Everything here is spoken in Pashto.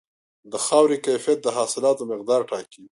د خاورې کیفیت د حاصلاتو مقدار ټاکي.